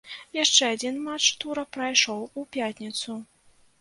Яшчэ адзін матч тура прайшоў у пятніцу.